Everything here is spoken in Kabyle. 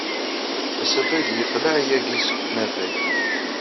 Asafag yeqleɛ yagi seg unafag.